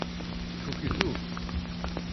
Tfukk-it akk.